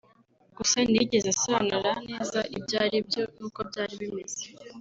gusa ntiyigeze asobanura neza ibyo aribyo n’uko byari bimeze